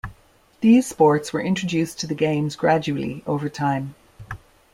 These sports were introduced to the games gradually over time.